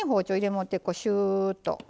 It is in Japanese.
もうてこうシューッと。